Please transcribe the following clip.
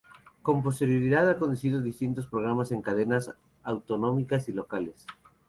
Con posterioridad ha conducido distintos programas en cadenas autonómicas y locales.